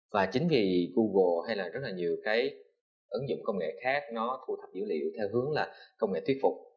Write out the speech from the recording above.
và chính vì google hay là rất là nhiều cái ứng dụng công nghệ khác nó thu thập dữ liệu theo hướng là công nghệ thuyết phục